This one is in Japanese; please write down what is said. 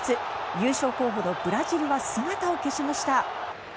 優勝候補のブラジルは姿を消しました。